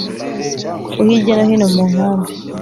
bo hirya no hino mu nkambi